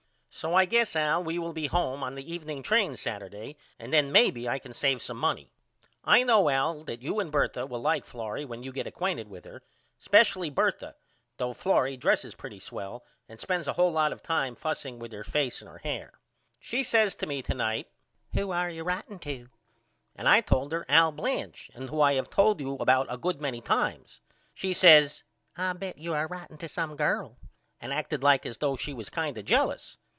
So I guess Al we will be home on the evening train Saturday and then may be I can save some money. I know Al that you and Bertha will like Florrie when you get acquainted with her spesially Bertha though Florrie dresses pretty swell and spends a hole lot of time fusing with her face and her hair. She says to me to night Who are you writeing to and I told her Al Blanch and who I have told you about a good many times. She says I bet you are writeing to some girl and acted like as though she was kind of jealous.